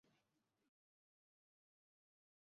তিনি পাঠ্যক্রমে অন্তর্ভুক্ত করেন।